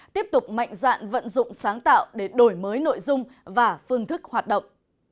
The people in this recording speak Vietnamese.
tiếp tục mạnh dạn vận dụng sáng tạo để đổi mới nội dung và phương thức hoạt động